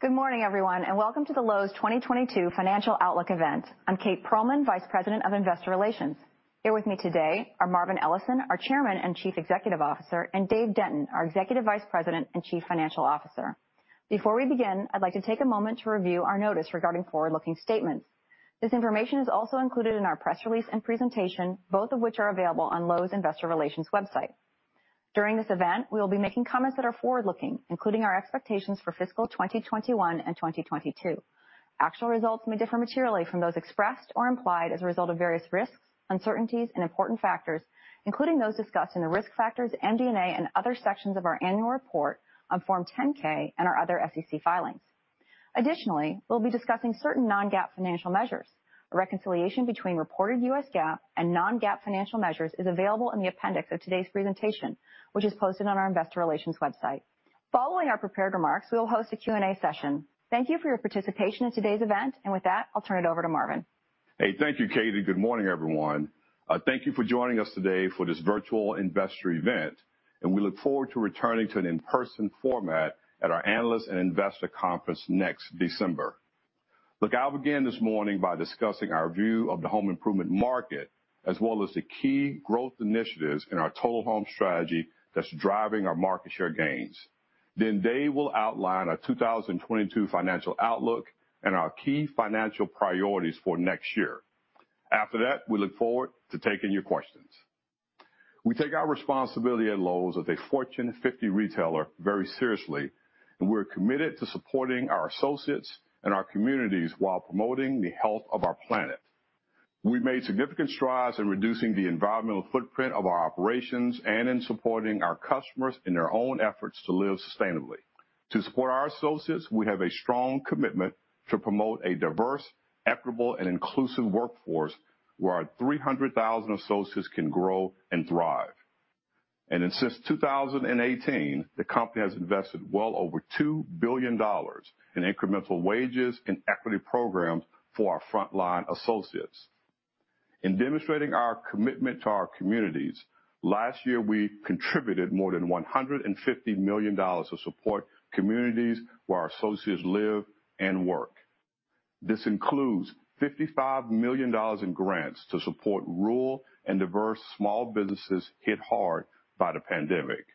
Good morning, everyone, and welcome to the Lowe's 2022 Financial Outlook event. I'm Kate Pearlman, Vice President of Investor Relations. Here with me today are Marvin Ellison, our Chairman and Chief Executive Officer, and Dave Denton, our Executive Vice President and Chief Financial Officer. Before we begin, I'd like to take a moment to review our notice regarding forward-looking statements. This information is also included in our press release and presentation, both of which are available on Lowe's investor relations website. During this event, we will be making comments that are forward-looking, including our expectations for fiscal 2021 and 2022. Actual results may differ materially from those expressed or implied as a result of various risks, uncertainties and important factors, including those discussed in the risk factors, MD&A and other sections of our annual report on Form 10-K and our other SEC filings. Additionally, we'll be discussing certain non-GAAP financial measures. A reconciliation between reported US GAAP and non-GAAP financial measures is available in the appendix of today's presentation, which is posted on our investor relations website. Following our prepared remarks, we will host a Q&A session. Thank you for your participation in today's event. With that, I'll turn it over to Marvin. Hey, thank you, Kate. Good morning, everyone. Thank you for joining us today for this virtual investor event, and we look forward to returning to an in-person format at our Analyst and Investor Conference next December. Look, I'll begin this morning by discussing our view of the home improvement market, as well as the key growth initiatives in our Total Home strategy that's driving our market share gains. Then Dave will outline our 2022 financial outlook and our key financial priorities for next year. After that, we look forward to taking your questions. We take our responsibility at Lowe's as a Fortune 50 retailer very seriously, and we're committed to supporting our associates and our communities while promoting the health of our planet. We've made significant strides in reducing the environmental footprint of our operations and in supporting our customers in their own efforts to live sustainably. To support our associates, we have a strong commitment to promote a diverse, equitable, and inclusive workforce where our 300,000 associates can grow and thrive. Since 2018, the company has invested well over $2 billion in incremental wages and equity programs for our frontline associates. In demonstrating our commitment to our communities, last year, we contributed more than $150 million to support communities where our associates live and work. This includes $55 million in grants to support rural and diverse small businesses hit hard by the pandemic.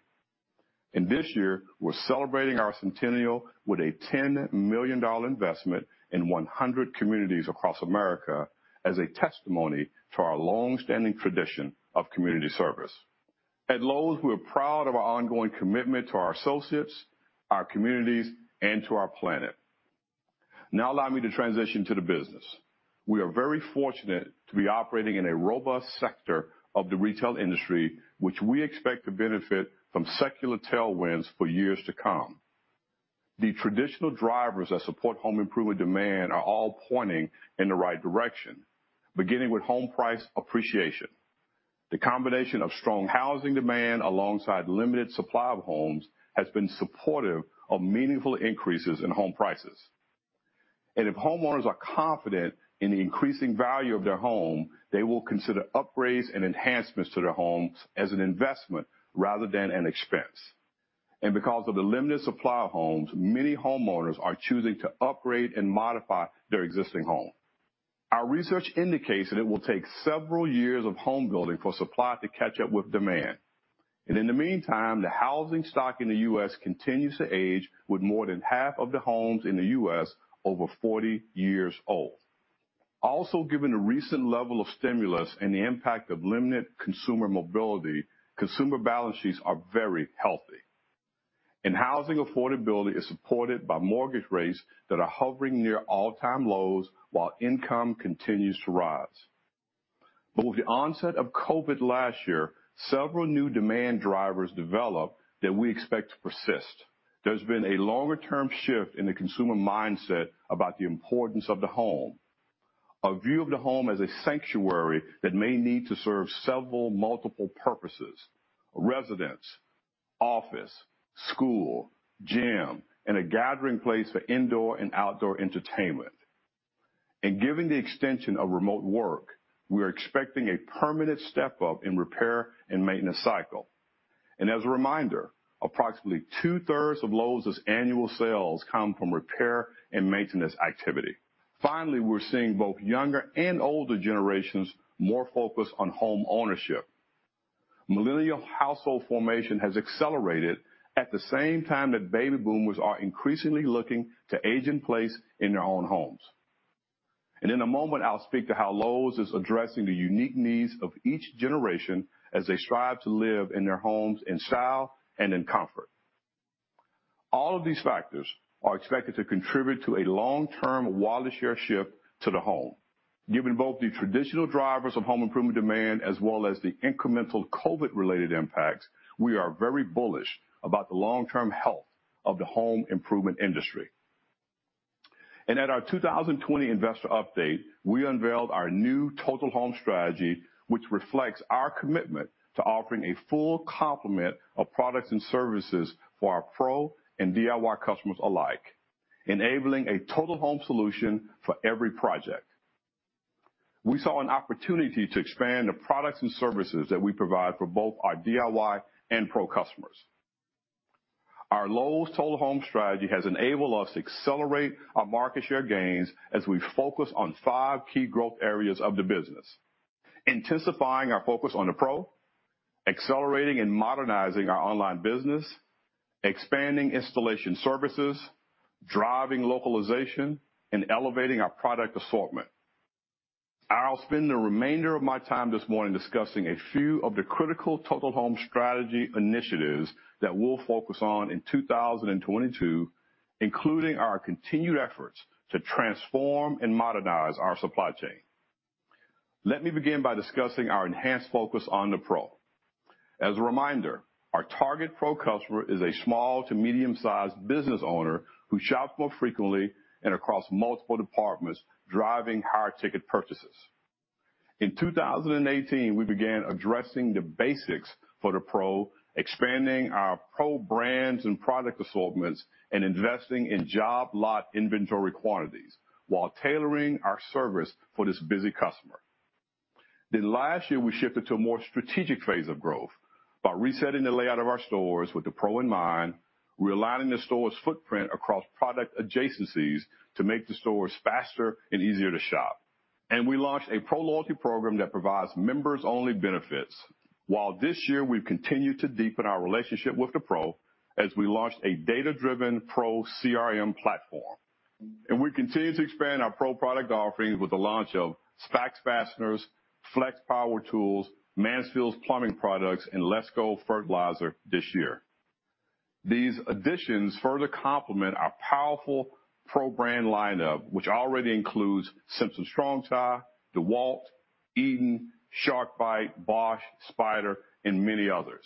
This year we're celebrating our centennial with a $10 million investment in 100 communities across America as a testimony to our long-standing tradition of community service. At Lowe's, we are proud of our ongoing commitment to our associates, our communities, and to our planet. Now allow me to transition to the business. We are very fortunate to be operating in a robust sector of the retail industry, which we expect to benefit from secular tailwinds for years to come. The traditional drivers that support home improvement demand are all pointing in the right direction, beginning with home price appreciation. The combination of strong housing demand alongside limited supply of homes has been supportive of meaningful increases in home prices. If homeowners are confident in the increasing value of their home, they will consider upgrades and enhancements to their homes as an investment rather than an expense. Because of the limited supply of homes, many homeowners are choosing to upgrade and modify their existing home. Our research indicates that it will take several years of home building for supply to catch up with demand. In the meantime, the housing stock in the U.S. continues to age with more than half of the homes in the U.S. over 40 years old. Also, given the recent level of stimulus and the impact of limited consumer mobility, consumer balance sheets are very healthy. Housing affordability is supported by mortgage rates that are hovering near all-time lows while income continues to rise. With the onset of COVID last year, several new demand drivers developed that we expect to persist. There's been a longer term shift in the consumer mindset about the importance of the home, a view of the home as a sanctuary that may need to serve several multiple purposes, residence, office, school, gym, and a gathering place for indoor and outdoor entertainment. Given the extension of remote work, we are expecting a permanent step up in repair and maintenance cycle. As a reminder, approximately two-thirds of Lowe's annual sales come from repair and maintenance activity. Finally, we're seeing both younger and older generations more focused on home ownership. Millennial household formation has accelerated at the same time that baby boomers are increasingly looking to age in place in their own homes. In a moment, I'll speak to how Lowe's is addressing the unique needs of each generation as they strive to live in their homes in style and in comfort. All of these factors are expected to contribute to a long-term wallet share shift to the home. Given both the traditional drivers of home improvement demand as well as the incremental COVID-related impacts, we are very bullish about the long-term health of the home improvement industry. At our 2020 investor update, we unveiled our new Total Home strategy, which reflects our commitment to offering a full complement of products and services for our pro and DIY customers alike, enabling a total home solution for every project. We saw an opportunity to expand the products and services that we provide for both our DIY and pro customers. Our Lowe's Total Home strategy has enabled us to accelerate our market share gains as we focus on five key growth areas of the business: intensifying our focus on the pro, accelerating and modernizing our online business, expanding installation services, driving localization, and elevating our product assortment. I'll spend the remainder of my time this morning discussing a few of the critical Total Home strategy initiatives that we'll focus on in 2022, including our continued efforts to transform and modernize our supply chain. Let me begin by discussing our enhanced focus on the pro. As a reminder, our target pro customer is a small to medium-sized business owner who shops more frequently and across multiple departments, driving higher ticket purchases. In 2018, we began addressing the basics for the pro, expanding our pro brands and product assortments, and investing in job lot inventory quantities while tailoring our service for this busy customer. Last year, we shifted to a more strategic phase of growth by resetting the layout of our stores with the pro in mind. We're aligning the store's footprint across product adjacencies to make the stores faster and easier to shop. We launched a pro loyalty program that provides members-only benefits. While this year we've continued to deepen our relationship with the pro as we launched a data-driven pro CRM platform. We continue to expand our pro product offerings with the launch of SPAX fasteners, FLEX power tools, Mansfield's plumbing products, and LESCO fertilizer this year. These additions further complement our powerful pro brand lineup, which already includes Simpson Strong-Tie, DEWALT, Eaton, SharkBite, Bosch, Spyder, and many others.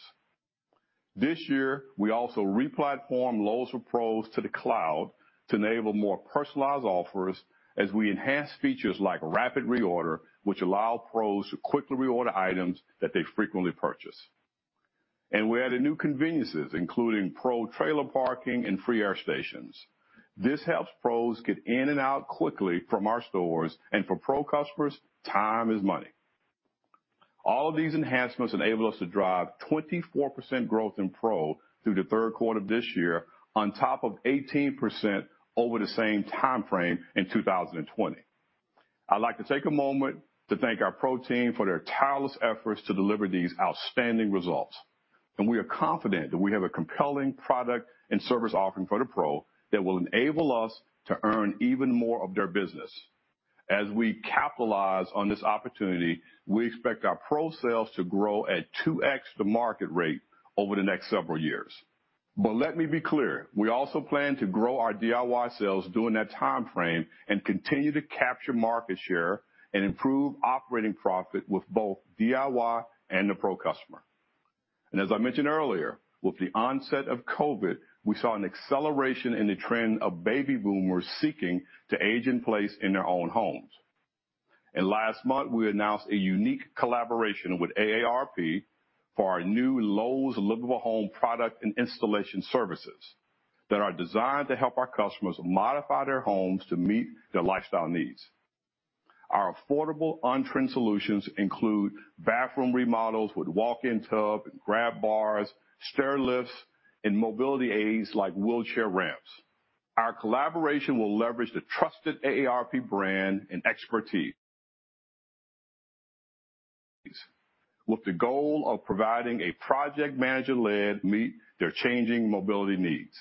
This year, we also re-platformed Lowe's for Pros to the cloud to enable more personalized offers as we enhance features like rapid reorder, which allow pros to quickly reorder items that they frequently purchase. We added new conveniences, including pro trailer parking and free air stations. This helps pros get in and out quickly from our stores, and for pro customers, time is money. All of these enhancements enable us to drive 24% growth in pro through the third quarter of this year on top of 18% over the same timeframe in 2020. I'd like to take a moment to thank our pro team for their tireless efforts to deliver these outstanding results. We are confident that we have a compelling product and service offering for the pro that will enable us to earn even more of their business. As we capitalize on this opportunity, we expect our pro sales to grow at 2x the market rate over the next several years. Let me be clear, we also plan to grow our DIY sales during that timeframe and continue to capture market share and improve operating profit with both DIY and the pro customer. As I mentioned earlier, with the onset of COVID, we saw an acceleration in the trend of baby boomers seeking to age in place in their own homes. Last month, we announced a unique collaboration with AARP for our new Lowe's Livable Home product and installation services that are designed to help our customers modify their homes to meet their lifestyle needs. Our affordable on-trend solutions include bathroom remodels with walk-in tub and grab bars, stair lifts, and mobility aids like wheelchair ramps. Our collaboration will leverage the trusted AARP brand and expertise with the goal of providing a project manager-led to meet their changing mobility needs.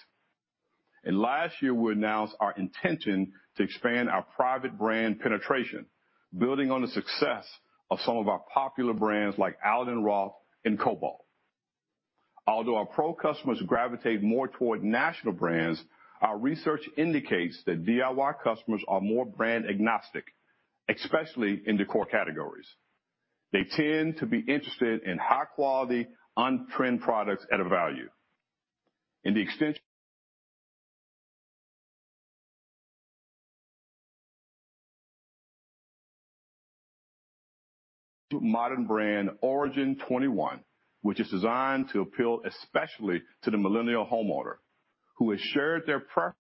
Last year, we announced our intention to expand our private brand penetration, building on the success of some of our popular brands like allen + roth and Kobalt. Although our pro customers gravitate more toward national brands, our research indicates that DIY customers are more brand agnostic, especially in the core categories. They tend to be interested in high quality on-trend products at a value. In the extension modern brand Origin21, which is designed to appeal especially to the millennial homeowner who has shared their preference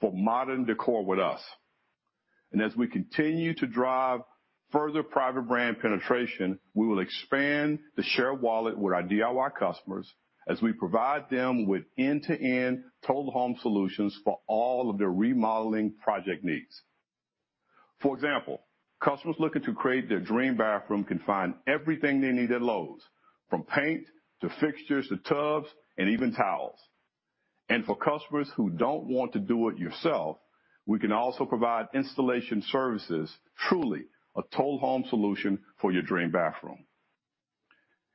for modern decor with us. As we continue to drive further private brand penetration, we will expand the share of wallet with our DIY customers as we provide them with end-to-end Total Home solutions for all of their remodeling project needs. For example, customers looking to create their dream bathroom can find everything they need at Lowe's, from paint to fixtures to tubs and even towels. For customers who don't want to do it yourself, we can also provide installation services, truly a Total Home solution for your dream bathroom.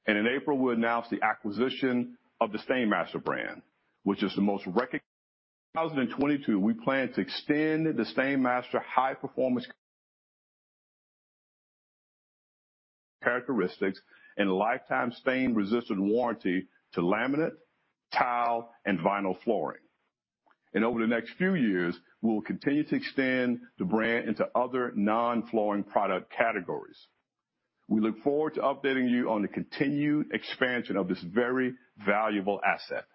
In April, we announced the acquisition of the STAINMASTER brand, which is the most recognized. In 2022, we plan to extend the STAINMASTER high performance characteristics and lifetime stain resistant warranty to laminate, tile, and vinyl flooring. Over the next few years, we will continue to extend the brand into other non-flooring product categories. We look forward to updating you on the continued expansion of this very valuable asset.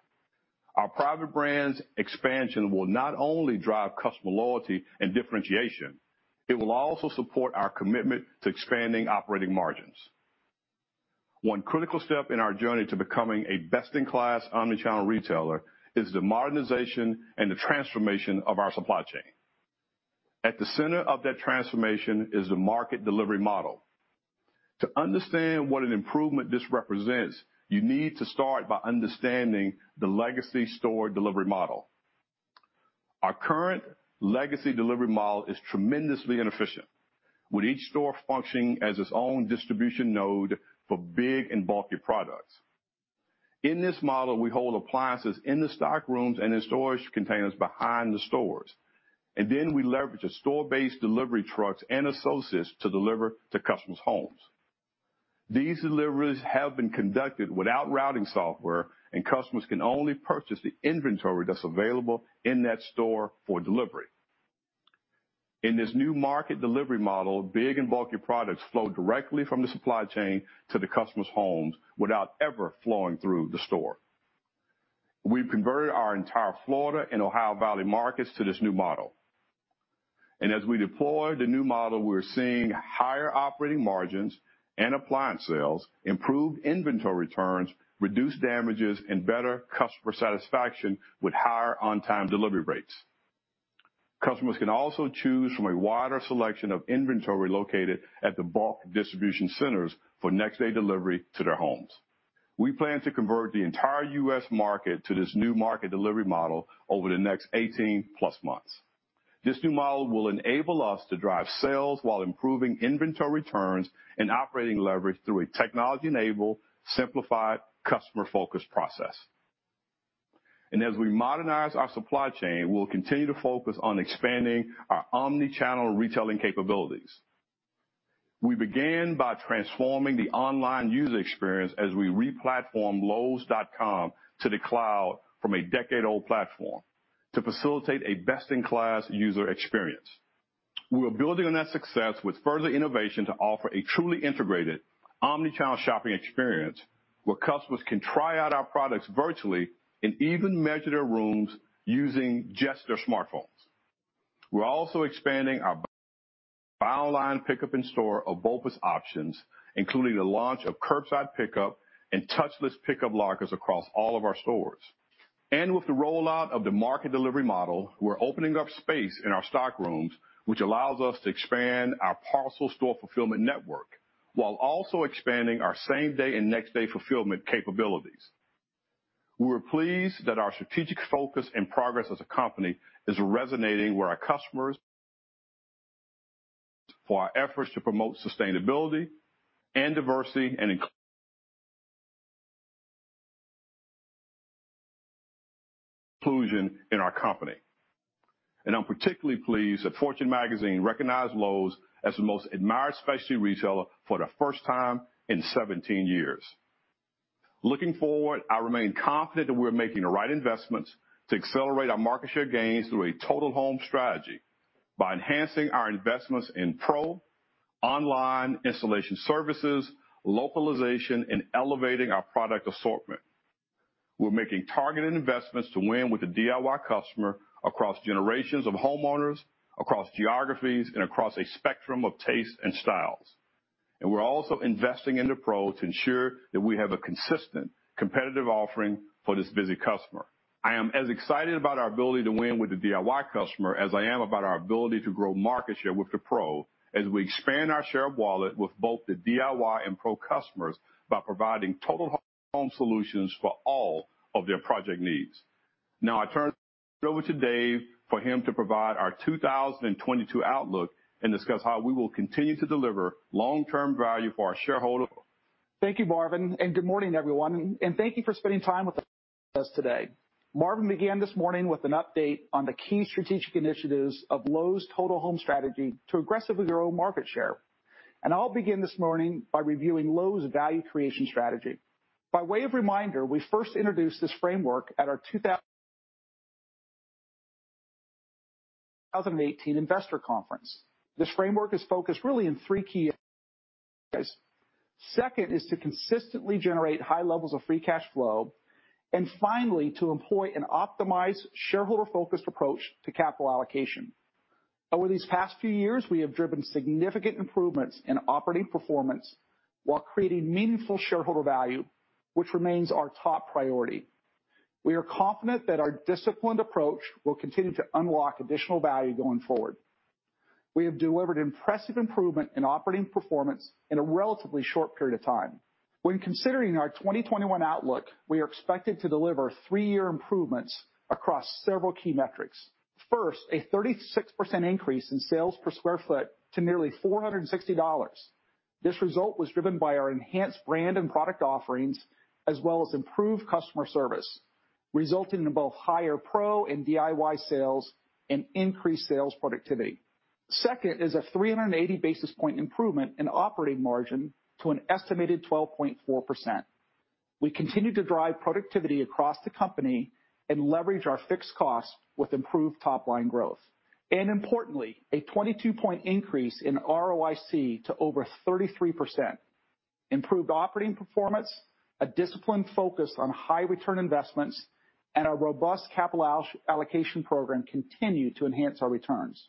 Our private brands expansion will not only drive customer loyalty and differentiation, it will also support our commitment to expanding operating margins. One critical step in our journey to becoming a best-in-class omni-channel retailer is the modernization and the transformation of our supply chain. At the center of that transformation is the market delivery model. To understand what an improvement this represents, you need to start by understanding the legacy store delivery model. Our current legacy delivery model is tremendously inefficient, with each store functioning as its own distribution node for big and bulky products. In this model, we hold appliances in the stock rooms and in storage containers behind the stores. We leverage the store-based delivery trucks and associates to deliver to customers' homes. These deliveries have been conducted without routing software, and customers can only purchase the inventory that's available in that store for delivery. In this new market delivery model, big and bulky products flow directly from the supply chain to the customer's homes without ever flowing through the store. We've converted our entire Florida and Ohio Valley markets to this new model. As we deploy the new model, we're seeing higher operating margins and appliance sales, improved inventory turns, reduced damages, and better customer satisfaction with higher on-time delivery rates. Customers can also choose from a wider selection of inventory located at the bulk distribution centers for next day delivery to their homes. We plan to convert the entire U.S. market to this new market delivery model over the next 18+ months. This new model will enable us to drive sales while improving inventory turns and operating leverage through a technology-enabled, simplified, customer-focused process. As we modernize our supply chain, we'll continue to focus on expanding our omni-channel retailing capabilities. We began by transforming the online user experience as we re-platformed lowes.com to the cloud from a decade-old platform to facilitate a best-in-class user experience. We're building on that success with further innovation to offer a truly integrated omni-channel shopping experience, where customers can try out our products virtually and even measure their rooms using just their smartphones. We're also expanding our Buy Online, Pickup in Store or BOPUS options, including the launch of curbside pickup and touchless pickup lockers across all of our stores. With the rollout of the market delivery model, we're opening up space in our stock rooms, which allows us to expand our parcel store fulfillment network while also expanding our same-day and next-day fulfillment capabilities. We're pleased that our strategic focus and progress as a company is resonating with our customers for our efforts to promote sustainability and diversity and inclusion in our company. I'm particularly pleased that Fortune recognized Lowe's as the most admired specialty retailer for the first time in 17 years. Looking forward, I remain confident that we're making the right investments to accelerate our market share gains through a Total Home strategy by enhancing our investments in pro, online installation services, localization, and elevating our product assortment. We're making targeted investments to win with the DIY customer across generations of homeowners, across geographies, and across a spectrum of taste and styles. We're also investing in the pro to ensure that we have a consistent competitive offering for this busy customer. I am as excited about our ability to win with the DIY customer as I am about our ability to grow market share with the pro as we expand our share of wallet with both the DIY and pro customers by providing Total Home solutions for all of their project needs. Now I turn it over to Dave for him to provide our 2022 outlook and discuss how we will continue to deliver long-term value for our shareholders. Thank you, Marvin, and good morning, everyone, and thank you for spending time with us today. Marvin began this morning with an update on the key strategic initiatives of Lowe's Total Home Strategy to aggressively grow market share. I'll begin this morning by reviewing Lowe's value creation strategy. By way of reminder, we first introduced this framework at our 2018 investor conference. This framework is focused really in three key areas. Second is to consistently generate high levels of free cash flow, and finally, to employ an optimized shareholder-focused approach to capital allocation. Over these past few years, we have driven significant improvements in operating performance while creating meaningful shareholder value, which remains our top priority. We are confident that our disciplined approach will continue to unlock additional value going forward. We have delivered impressive improvement in operating performance in a relatively short period of time. When considering our 2021 outlook, we are expected to deliver three-year improvements across several key metrics. First, a 36% increase in sales per square foot to nearly $460. This result was driven by our enhanced brand and product offerings, as well as improved customer service, resulting in both higher pro and DIY sales and increased sales productivity. Second is a 380 basis point improvement in operating margin to an estimated 12.4%. We continue to drive productivity across the company and leverage our fixed costs with improved top-line growth. Importantly, a 22-point increase in ROIC to over 33%. Improved operating performance, a disciplined focus on high return investments, and a robust capital allocation program continue to enhance our returns.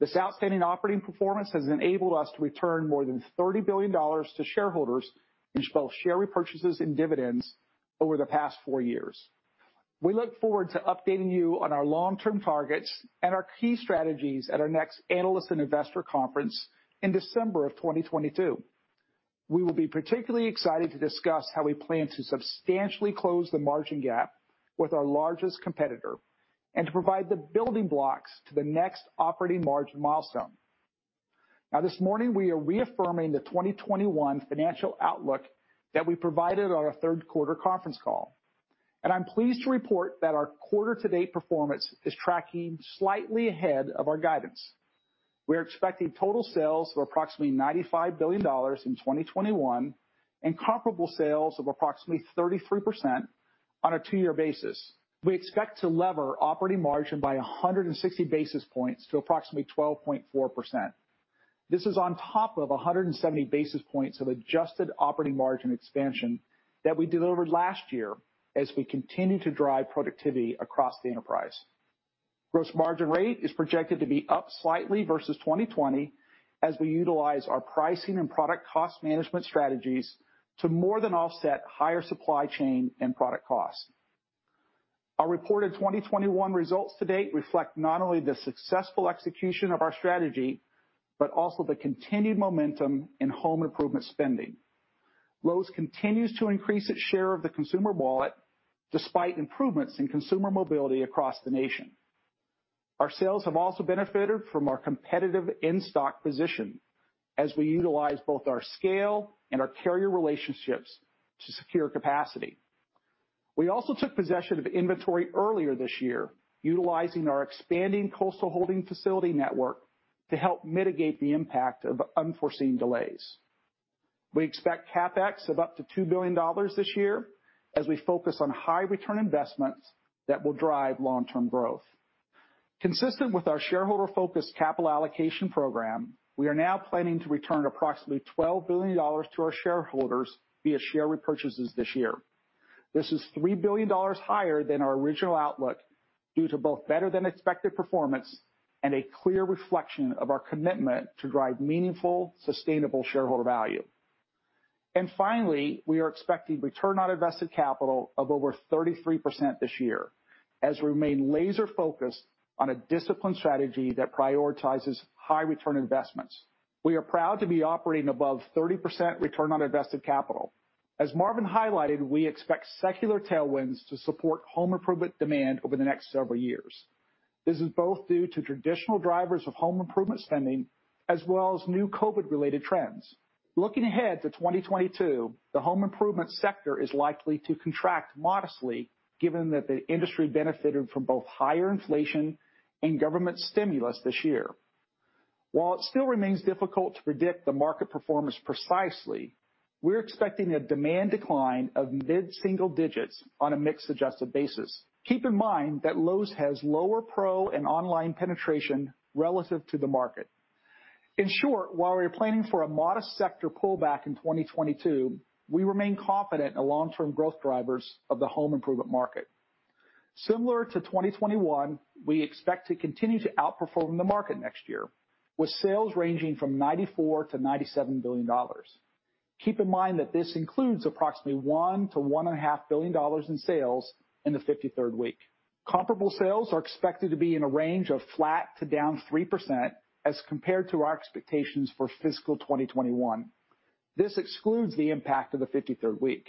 This outstanding operating performance has enabled us to return more than $30 billion to shareholders in both share repurchases and dividends over the past four years. We look forward to updating you on our long-term targets and our key strategies at our next Analyst and Investor Conference in December 2022. We will be particularly excited to discuss how we plan to substantially close the margin gap with our largest competitor and to provide the building blocks to the next operating margin milestone. Now, this morning, we are reaffirming the 2021 financial outlook that we provided on our third quarter conference call. I'm pleased to report that our quarter to date performance is tracking slightly ahead of our guidance. We are expecting total sales of approximately $95 billion in 2021 and comparable sales of approximately 33% on a two-year basis. We expect to lever operating margin by 160 basis points to approximately 12.4%. This is on top of 170 basis points of adjusted operating margin expansion that we delivered last year as we continue to drive productivity across the enterprise. Gross margin rate is projected to be up slightly versus 2020 as we utilize our pricing and product cost management strategies to more than offset higher supply chain and product costs. Our reported 2021 results to date reflect not only the successful execution of our strategy, but also the continued momentum in home improvement spending. Lowe's continues to increase its share of the consumer wallet despite improvements in consumer mobility across the nation. Our sales have also benefited from our competitive in-stock position as we utilize both our scale and our carrier relationships to secure capacity. We also took possession of inventory earlier this year, utilizing our expanding coastal holding facility network to help mitigate the impact of unforeseen delays. We expect CapEx of up to $2 billion this year as we focus on high return investments that will drive long-term growth. Consistent with our shareholder-focused capital allocation program, we are now planning to return approximately $12 billion to our shareholders via share repurchases this year. This is $3 billion higher than our original outlook due to both better than expected performance and a clear reflection of our commitment to drive meaningful, sustainable shareholder value. Finally, we are expecting return on invested capital of over 33% this year as we remain laser focused on a disciplined strategy that prioritizes high return investments. We are proud to be operating above 30% return on invested capital. As Marvin highlighted, we expect secular tailwinds to support home improvement demand over the next several years. This is both due to traditional drivers of home improvement spending as well as new COVID-related trends. Looking ahead to 2022, the home improvement sector is likely to contract modestly given that the industry benefited from both higher inflation and government stimulus this year. While it still remains difficult to predict the market performance precisely, we're expecting a demand decline of mid-single digits on a mixed adjusted basis. Keep in mind that Lowe's has lower pro and online penetration relative to the market. In short, while we are planning for a modest sector pullback in 2022, we remain confident in the long-term growth drivers of the home improvement market. Similar to 2021, we expect to continue to outperform the market next year with sales ranging from $94 billion-$97 billion. Keep in mind that this includes approximately $1 billion-$1.5 billion in sales in the 53rd week. Comparable sales are expected to be in a range of flat to down 3% as compared to our expectations for fiscal 2021. This excludes the impact of the 53rd week.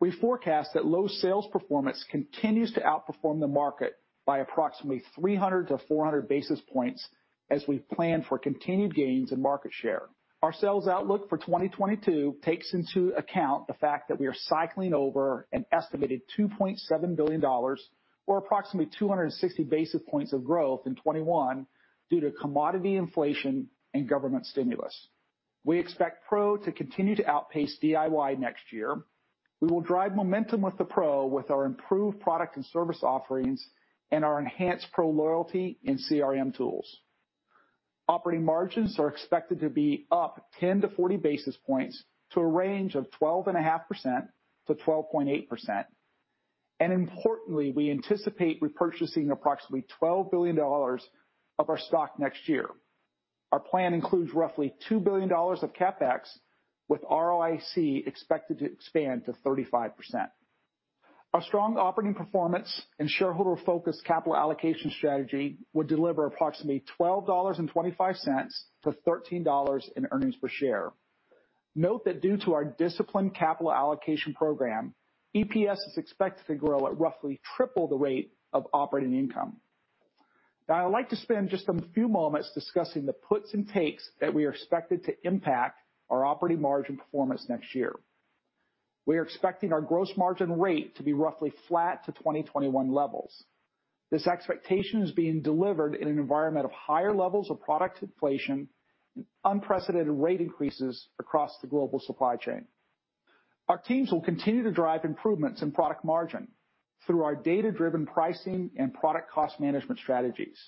We forecast that Lowe's sales performance continues to outperform the market by approximately 300-400 basis points as we plan for continued gains in market share. Our sales outlook for 2022 takes into account the fact that we are cycling over an estimated $2.7 billion or approximately 260 basis points of growth in 2021 due to commodity inflation and government stimulus. We expect pro to continue to outpace DIY next year. We will drive momentum with the pro with our improved product and service offerings and our enhanced pro loyalty and CRM tools. Operating margins are expected to be up 10-40 basis points to a range of 12.5%-12.8%. Importantly, we anticipate repurchasing approximately $12 billion of our stock next year. Our plan includes roughly $2 billion of CapEx, with ROIC expected to expand to 35%. Our strong operating performance and shareholder-focused capital allocation strategy would deliver approximately $12.25-$13 in earnings per share. Note that due to our disciplined capital allocation program, EPS is expected to grow at roughly triple the rate of operating income. Now, I'd like to spend just a few moments discussing the puts and takes that we are expected to impact our operating margin performance next year. We are expecting our gross margin rate to be roughly flat to 2021 levels. This expectation is being delivered in an environment of higher levels of product inflation and unprecedented rate increases across the global supply chain. Our teams will continue to drive improvements in product margin through our data-driven pricing and product cost management strategies.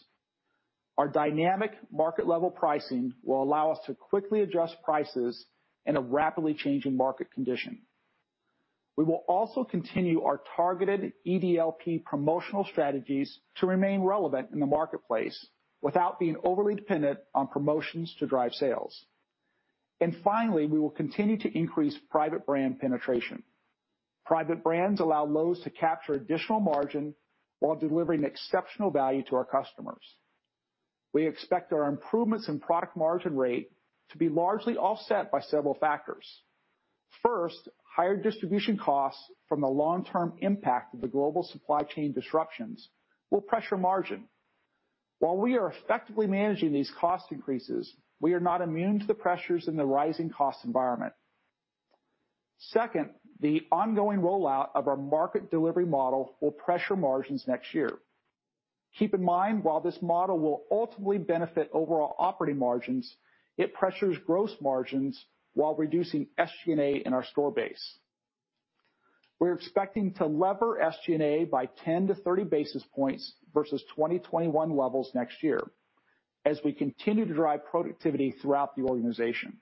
Our dynamic market level pricing will allow us to quickly adjust prices in a rapidly changing market condition. We will also continue our targeted EDLP promotional strategies to remain relevant in the marketplace without being overly dependent on promotions to drive sales. Finally, we will continue to increase private brand penetration. Private brands allow Lowe's to capture additional margin while delivering exceptional value to our customers. We expect our improvements in product margin rate to be largely offset by several factors. First, higher distribution costs from the long-term impact of the global supply chain disruptions will pressure margin. While we are effectively managing these cost increases, we are not immune to the pressures in the rising cost environment. Second, the ongoing rollout of our market delivery model will pressure margins next year. Keep in mind, while this model will ultimately benefit overall operating margins, it pressures gross margins while reducing SG&A in our store base. We're expecting to lever SG&A by 10-30 basis points versus 2021 levels next year as we continue to drive productivity throughout the organization.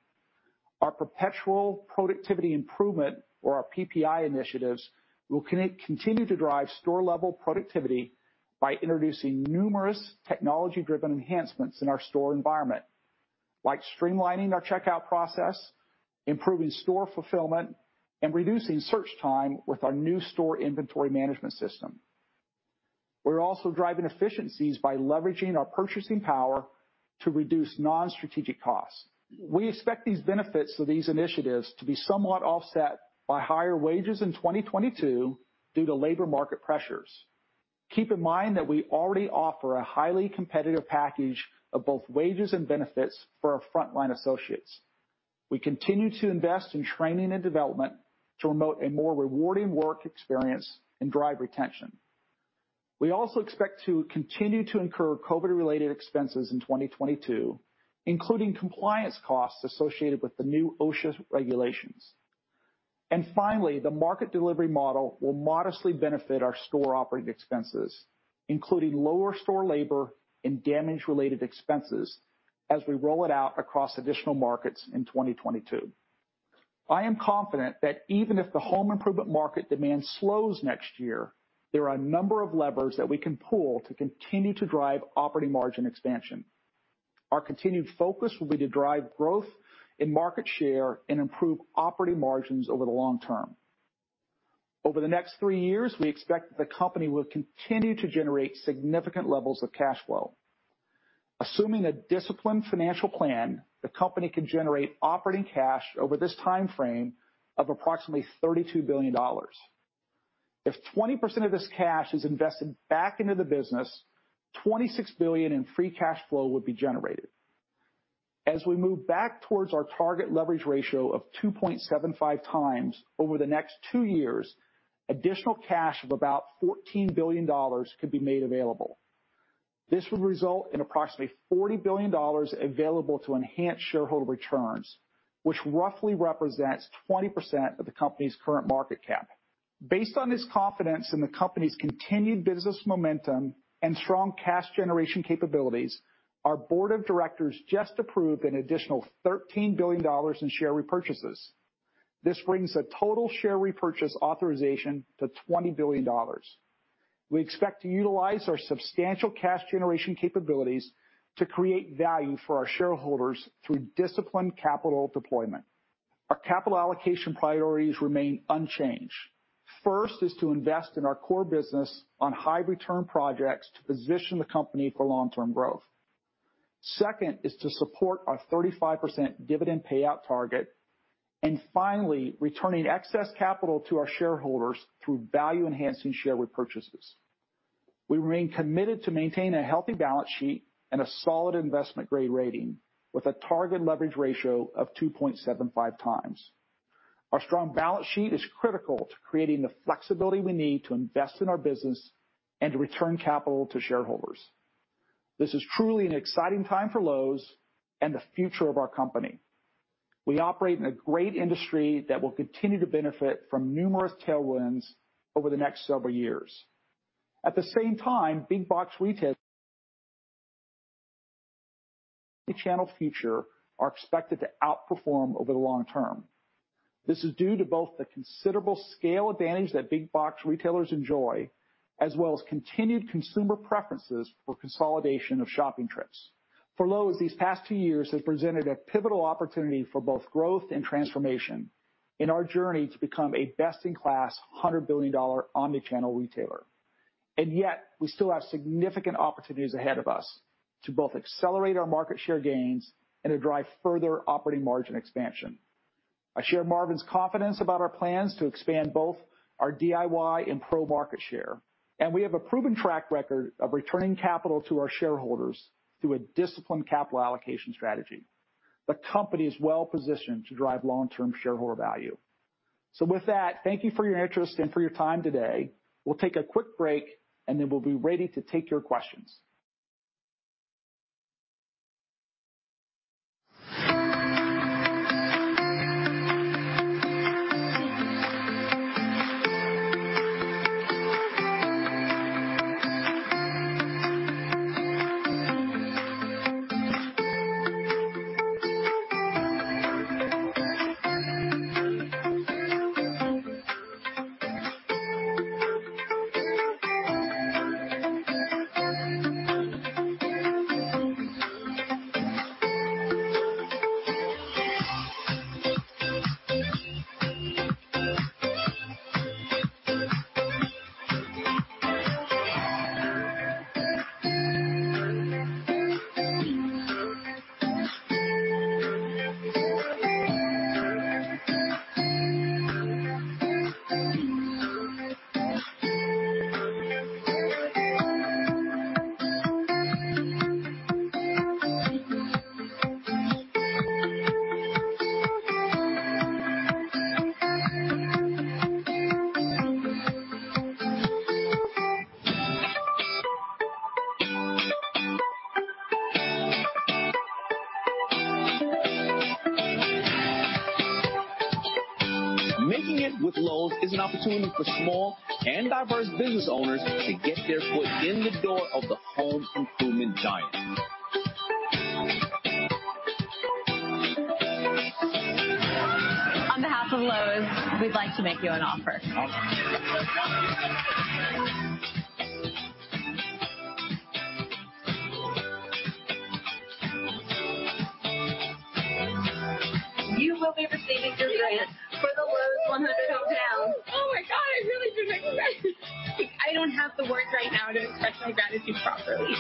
Our perpetual productivity improvement or our PPI initiatives will continue to drive store-level productivity by introducing numerous technology-driven enhancements in our store environment, like streamlining our checkout process, improving store fulfillment, and reducing search time with our new store inventory management system. We're also driving efficiencies by leveraging our purchasing power to reduce non-strategic costs. We expect the benefits of these initiatives to be somewhat offset by higher wages in 2022 due to labor market pressures. Keep in mind that we already offer a highly competitive package of both wages and benefits for our frontline associates. We continue to invest in training and development to promote a more rewarding work experience and drive retention. We also expect to continue to incur COVID-related expenses in 2022, including compliance costs associated with the new OSHA regulations. Finally, the market delivery model will modestly benefit our store operating expenses, including lower store labor and damage-related expenses as we roll it out across additional markets in 2022. I am confident that even if the home improvement market demand slows next year, there are a number of levers that we can pull to continue to drive operating margin expansion. Our continued focus will be to drive growth in market share and improve operating margins over the long term. Over the next three years, we expect the company will continue to generate significant levels of cash flow. Assuming a disciplined financial plan, the company can generate operating cash flow over this timeframe of approximately $32 billion. If 20% of this cash is invested back into the business, $26 billion in free cash flow would be generated. As we move back towards our target leverage ratio of 2.75 times over the next two years, additional cash of about $14 billion could be made available. This would result in approximately $40 billion available to enhance shareholder returns, which roughly represents 20% of the company's current market cap. Based on this confidence in the company's continued business momentum and strong cash generation capabilities, our board of directors just approved an additional $13 billion in share repurchases. This brings the total share repurchase authorization to $20 billion. We expect to utilize our substantial cash generation capabilities to create value for our shareholders through disciplined capital deployment. Our capital allocation priorities remain unchanged. First is to invest in our core business on high return projects to position the company for long-term growth. Second is to support our 35% dividend payout target. Finally, returning excess capital to our shareholders through value-enhancing share repurchases. We remain committed to maintain a healthy balance sheet and a solid investment-grade rating with a target leverage ratio of 2.75x. Our strong balance sheet is critical to creating the flexibility we need to invest in our business and to return capital to shareholders. This is truly an exciting time for Lowe's and the future of our company. We operate in a great industry that will continue to benefit from numerous tailwinds over the next several years. At the same time, big box retail channel's future are expected to outperform over the long term. This is due to both the considerable scale advantage that big box retailers enjoy, as well as continued consumer preferences for consolidation of shopping trips. For Lowe's, these past two years have presented a pivotal opportunity for both growth and transformation in our journey to become a best-in-class 100-billion-dollar omni-channel retailer. Yet, we still have significant opportunities ahead of us to both accelerate our market share gains and to drive further operating margin expansion. I share Marvin's confidence about our plans to expand both our DIY and pro market share, and we have a proven track record of returning capital to our shareholders through a disciplined capital allocation strategy. The company is well-positioned to drive long-term shareholder value. With that, thank you for your interest and for your time today. We'll take a quick break, and then we'll be ready to take your questions. Making it with Lowe's is an opportunity for small and diverse business owners to get their foot in the door of the home improvement giant. On behalf of Lowe's, we'd like to make you an offer. You have been receiving this grant for the Lowe's 100 Hometown. Oh, my God, I really didn't expect it. I don't have the words right now to express my gratitude properly.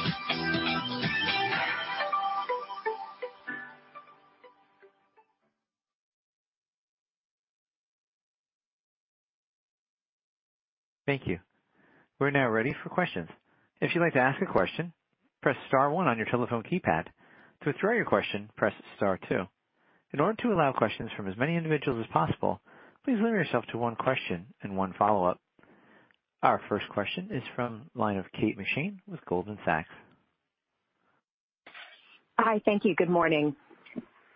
Thank you. We're now ready for questions. If you'd like to ask a question, press star one on your telephone keypad. To withdraw your question, press star two. In order to allow questions from as many individuals as possible, please limit yourself to one question and one follow-up. Our first question is from the line of Kate McShane with Goldman Sachs. Hi. Thank you. Good morning.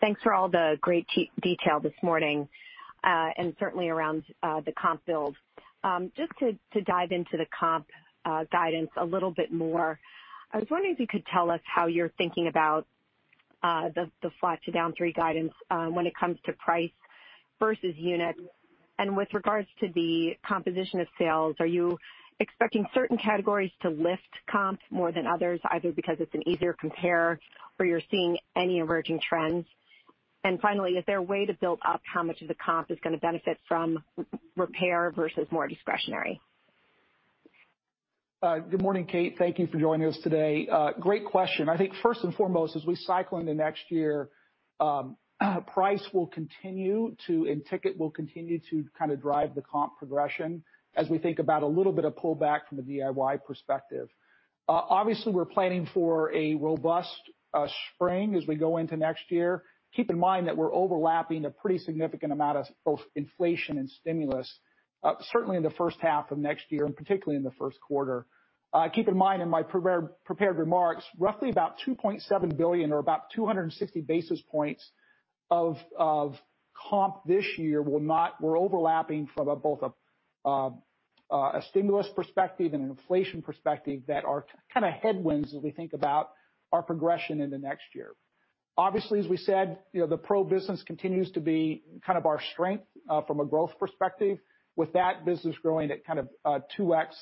Thanks for all the great detail this morning, and certainly around the comp build. Just to dive into the comp guidance a little bit more, I was wondering if you could tell us how you're thinking about the flat to down 3% guidance when it comes to price versus unit. With regards to the composition of sales, are you expecting certain categories to lift comp more than others, either because it's an easier compare or you're seeing any emerging trends? Finally, is there a way to build up how much of the comp is gonna benefit from repair versus more discretionary? Good morning, Kate. Thank you for joining us today. Great question. I think first and foremost, as we cycle into next year, price will continue to, and ticket will continue to kind of drive the comp progression as we think about a little bit of pullback from the DIY perspective. Obviously, we're planning for a robust spring as we go into next year. Keep in mind that we're overlapping a pretty significant amount of both inflation and stimulus, certainly in the first half of next year, and particularly in the first quarter. Keep in mind in my prepared remarks, roughly about $2.7 billion or about 260 basis points of comp this year were overlapping from both a stimulus perspective and an inflation perspective that are kind of headwinds as we think about our progression in the next year. Obviously, as we said, you know, the pro business continues to be kind of our strength from a growth perspective. With that business growing at kind of 2x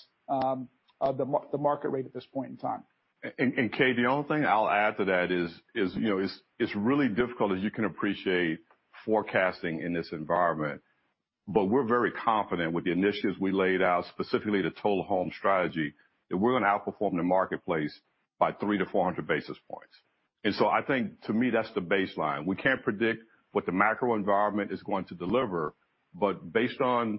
the market rate at this point in time. Kate, the only thing I'll add to that is, you know, it's really difficult, as you can appreciate, forecasting in this environment. We're very confident with the initiatives we laid out, specifically the Total Home strategy, that we're gonna outperform the marketplace by 300-400 basis points. I think to me that's the baseline. We can't predict what the macro environment is going to deliver, but based on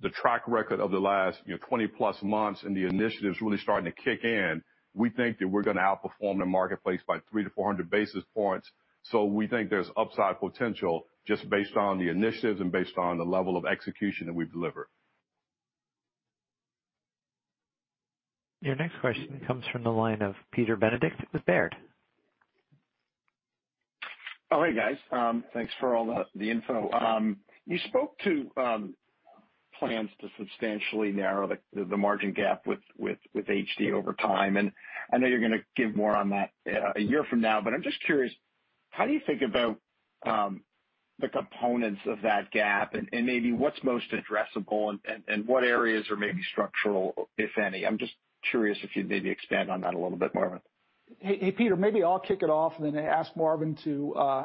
the track record of the last, you know, 20+ months and the initiatives really starting to kick in, we think that we're gonna outperform the marketplace by 300-400 basis points. We think there's upside potential just based on the initiatives and based on the level of execution that we deliver. Your next question comes from the line of Peter Benedict with Baird. All right, guys. Thanks for all the info. You spoke to plans to substantially narrow the margin gap with HD over time, and I know you're gonna give more on that a year from now, but I'm just curious, how do you think about the components of that gap and maybe what's most addressable and what areas are maybe structural, if any? I'm just curious if you'd maybe expand on that a little bit, Marvin. Hey, hey, Peter, maybe I'll kick it off and then ask Marvin to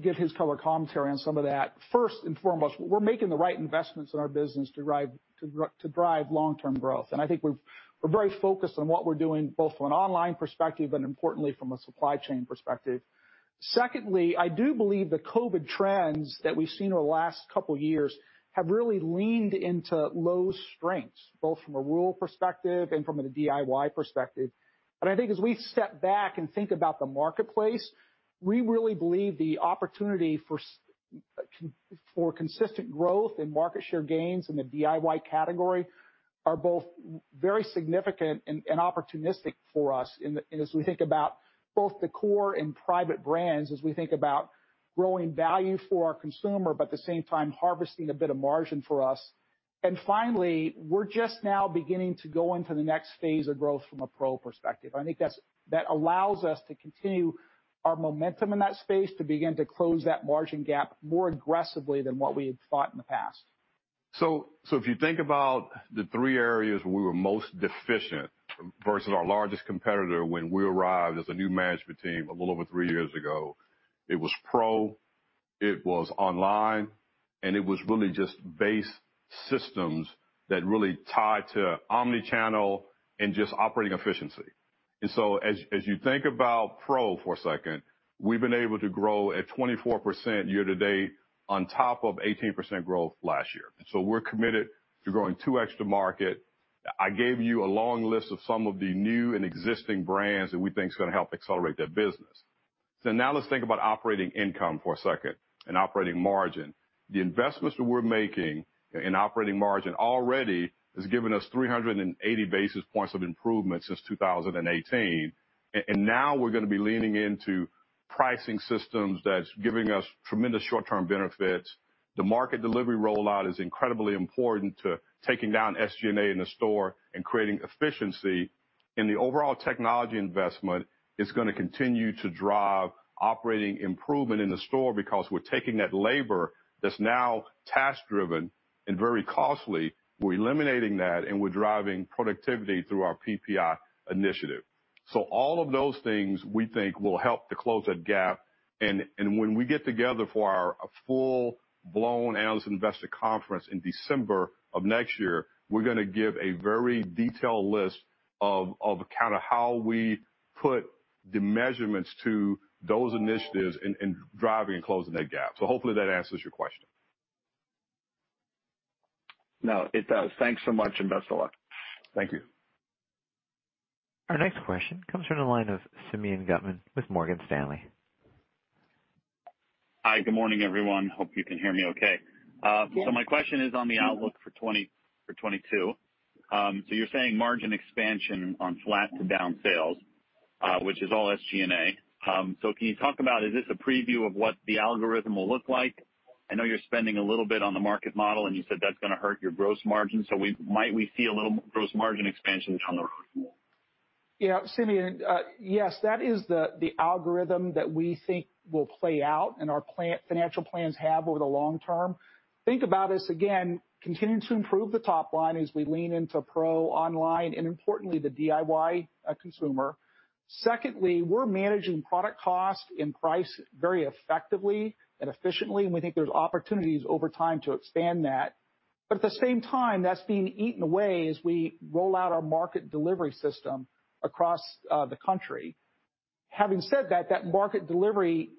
get his color commentary on some of that. First and foremost, we're making the right investments in our business to drive long-term growth. I think we're very focused on what we're doing both from an online perspective and importantly from a supply chain perspective. Secondly, I do believe the COVID trends that we've seen over the last couple years have really leaned into Lowe's strengths, both from a rural perspective and from a DIY perspective. I think as we step back and think about the marketplace, we really believe the opportunity for consistent growth and market share gains in the DIY category are both very significant and opportunistic for us as we think about both the core and private brands, as we think about growing value for our consumer, but at the same time harvesting a bit of margin for us. Finally, we're just now beginning to go into the next phase of growth from a pro perspective. I think that allows us to continue our momentum in that space to begin to close that margin gap more aggressively than what we had thought in the past. If you think about the three areas where we were most deficient versus our largest competitor when we arrived as a new management team a little over three years ago, it was pro, it was online, and it was really just base systems that really tied to omni-channel and just operating efficiency. As you think about pro for a second, we've been able to grow at 24% year to date on top of 18% growth last year. We're committed to growing 2x the market. I gave you a long list of some of the new and existing brands that we think is gonna help accelerate that business. Now let's think about operating income for a second and operating margin. The investments that we're making in operating margin already has given us 380 basis points of improvement since 2018. Now we're gonna be leaning into pricing systems that's giving us tremendous short-term benefits. The market delivery rollout is incredibly important to taking down SG&A in the store and creating efficiency. The overall technology investment is gonna continue to drive operating improvement in the store because we're taking that labor that's now task driven and very costly, we're eliminating that, and we're driving productivity through our PPI initiative. All of those things, we think will help to close that gap. When we get together for our full-blown analyst investor conference in December of next year, we're gonna give a very detailed list of kinda how we put the measurements to those initiatives in driving and closing that gap. Hopefully that answers your question. No, it does. Thanks so much, and best of luck. Thank you. Our next question comes from the line of Simeon Gutman with Morgan Stanley. Hi, good morning, everyone. Hope you can hear me okay. My question is on the outlook for 2022. You're saying margin expansion on flat to down sales, which is all SG&A. Can you talk about, is this a preview of what the algorithm will look like? I know you're spending a little bit on the market model, and you said that's gonna hurt your gross margin. Might we see a little gross margin expansion on the? Yeah, Simeon, yes, that is the algorithm that we think will play out and our financial plans have over the long term. Think about us, again, continuing to improve the top line as we lean into pro online and importantly, the DIY consumer. Secondly, we're managing product cost and price very effectively and efficiently, and we think there's opportunities over time to expand that. But at the same time, that's being eaten away as we roll out our market delivery model across the country. Having said that market delivery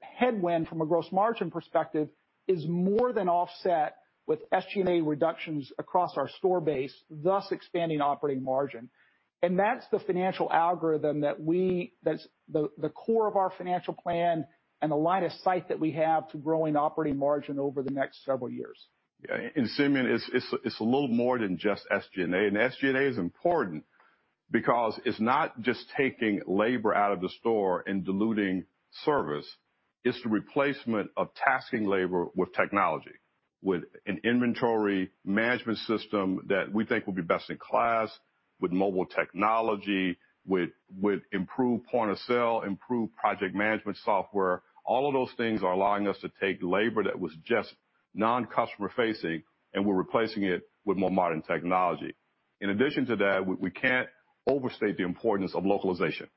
headwind from a gross margin perspective is more than offset with SG&A reductions across our store base, thus expanding operating margin. That's the financial algorithm that we—that's the core of our financial plan and the line of sight that we have to growing operating margin over the next several years. Yeah. Simeon, it's a little more than just SG&A. SG&A is important because it's not just taking labor out of the store and diluting service. It's the replacement of tasking labor with technology, with an inventory management system that we think will be best in class, with mobile technology, with improved point of sale, improved project management software. All of those things are allowing us to take labor that was just non-customer facing, and we're replacing it with more modern technology. In addition to that, we can't overstate the importance of localization.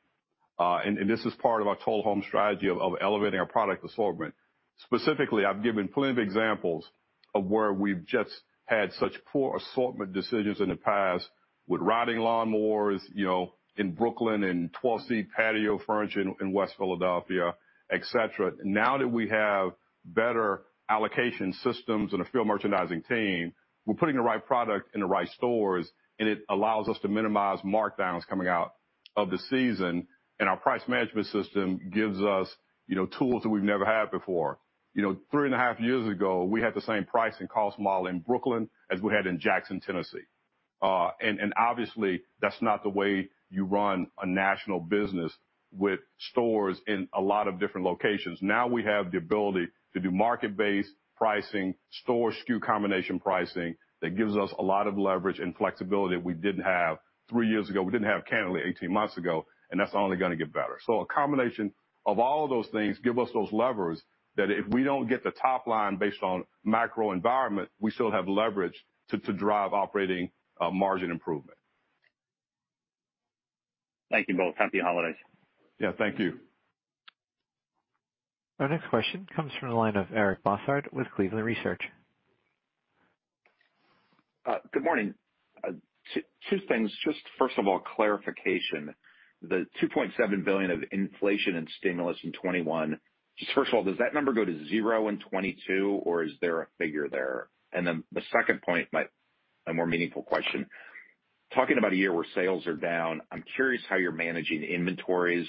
This is part of our Total Home strategy of elevating our product assortment. Specifically, I've given plenty of examples of where we've just had such poor assortment decisions in the past with riding lawnmowers, you know, in Brooklyn and 12-seat patio furniture in West Philadelphia, et cetera. Now that we have better allocation systems and a field merchandising team, we're putting the right product in the right stores, and it allows us to minimize markdowns coming out of the season. Our price management system gives us, you know, tools that we've never had before. You know, 3.5 years ago, we had the same pricing cost model in Brooklyn as we had in Jackson, Tennessee. Obviously, that's not the way you run a national business with stores in a lot of different locations. Now we have the ability to do market-based pricing, store SKU combination pricing that gives us a lot of leverage and flexibility that we didn't have three years ago. We didn't have candidly 18 months ago, and that's only gonna get better. A combination of all of those things give us those levers that if we don't get the top line based on macro environment, we still have leverage to drive operating margin improvement. Thank you both. Happy holidays. Yeah, thank you. Our next question comes from the line of Eric Bosshard with Cleveland Research. Good morning. Two things. Just first of all, clarification. The $2.7 billion of inflation and stimulus in 2021, just first of all, does that number go to zero in 2022, or is there a figure there? Then the second point might be a more meaningful question. Talking about a year where sales are down, I'm curious how you're managing inventories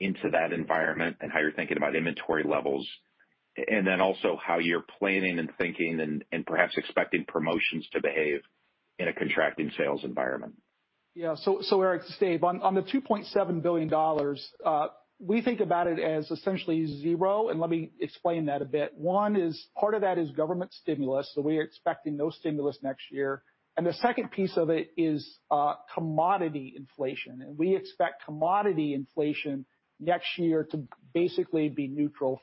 into that environment and how you're thinking about inventory levels, and then also how you're planning and thinking and perhaps expecting promotions to behave in a contracting sales environment. Yeah. Eric, Dave, on the $2.7 billion, we think about it as essentially zero, and let me explain that a bit. One is part of that is government stimulus, we're expecting no stimulus next year. The second piece of it is commodity inflation. We expect commodity inflation next year to basically be neutral,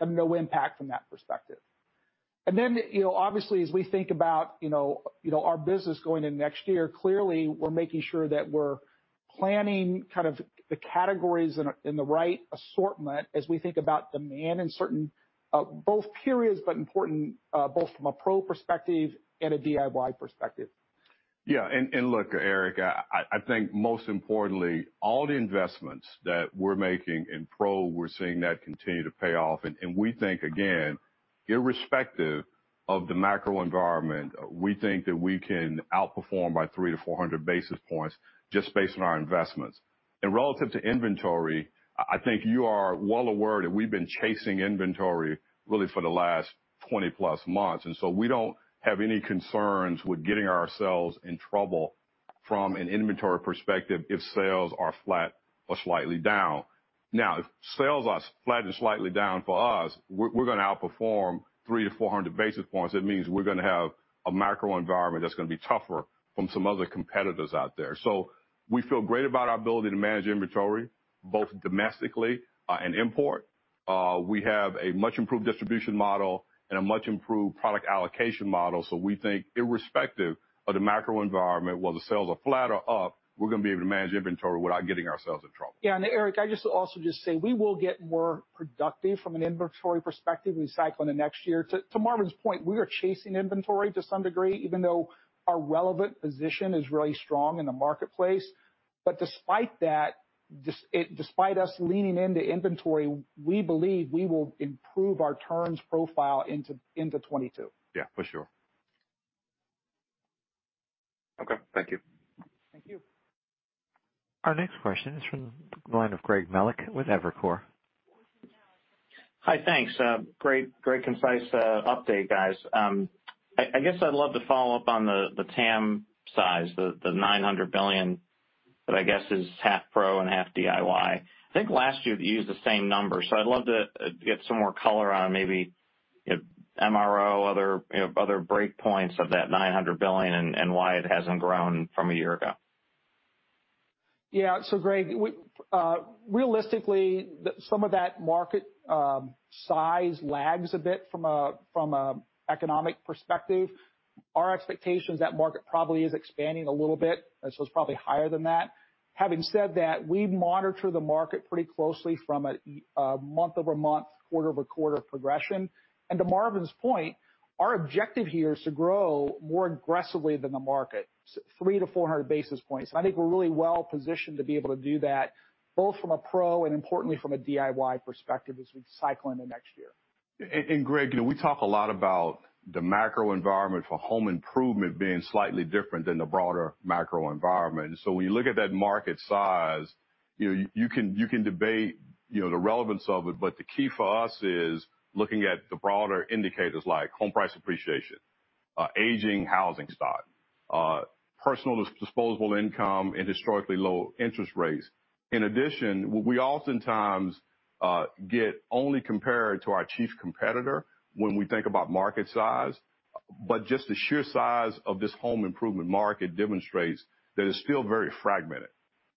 have no impact from that perspective. Then, you know, obviously, as we think about our business going into next year, clearly, we're making sure that we're planning kind of the categories in the right assortment as we think about demand in certain both periods, but important, both from a pro perspective and a DIY perspective. Yeah. Look, Eric, I think most importantly, all the investments that we're making in Pro, we're seeing that continue to pay off. We think, again, irrespective of the macro environment, we think that we can outperform by 300-400 basis points just based on our investments. Relative to inventory, I think you are well aware that we've been chasing inventory really for the last 20+ months, and so we don't have any concerns with getting ourselves in trouble from an inventory perspective if sales are flat or slightly down. Now, if sales are flat or slightly down for us, we're gonna outperform 300-400 basis points. That means we're gonna have a macro environment that's gonna be tougher from some other competitors out there. We feel great about our ability to manage inventory both domestically, and import. We have a much improved distribution model and a much improved product allocation model, so we think irrespective of the macro environment, whether sales are flat or up, we're gonna be able to manage inventory without getting ourselves in trouble. Yeah. Eric, I just also say we will get more productive from an inventory perspective. We cycle into next year. To Marvin's point, we are chasing inventory to some degree, even though our relevant position is really strong in the marketplace. Despite that, despite us leaning into inventory, we believe we will improve our turns profile into 2022. Yeah, for sure. Okay. Thank you. Thank you. Our next question is from the line of Greg Melich with Evercore. Hi. Thanks. Great concise update, guys. I guess I'd love to follow up on the TAM size, the $900 billion that I guess is half pro and half DIY. I think last year you used the same number, so I'd love to get some more color on maybe, you know, MRO, other, you know, other breakpoints of that $900 billion and why it hasn't grown from a year ago. Yeah. Greg, we realistically, some of that market size lags a bit from an economic perspective. Our expectation is that market probably is expanding a little bit, and so it's probably higher than that. Having said that, we monitor the market pretty closely from a month-over-month, quarter-over-quarter progression. To Marvin's point, our objective here is to grow more aggressively than the market, 300-400 basis points. I think we're really well positioned to be able to do that both from a pro and importantly from a DIY perspective as we cycle into next year. Greg, you know, we talk a lot about the macro environment for home improvement being slightly different than the broader macro environment. When you look at that market size, you know, you can debate, you know, the relevance of it, but the key for us is looking at the broader indicators like home price appreciation, aging housing stock, personal disposable income, and historically low interest rates. In addition, we oftentimes get only compared to our chief competitor when we think about market size, but just the sheer size of this home improvement market demonstrates that it's still very fragmented.